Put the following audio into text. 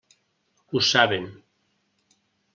Ho saben.